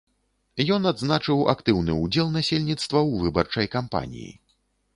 Ён адзначыў актыўны ўдзел насельніцтва ў выбарчай кампаніі.